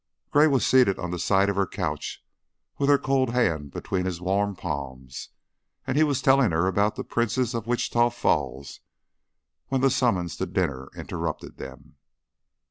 Gray was seated on the side of her couch with her cold hand between his warm palms, and he was telling her about the princess of Wichita Falls when the summons to dinner interrupted them.